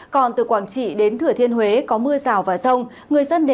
còn từ quảng trị đến thừa thiên huế có mưa rào và rông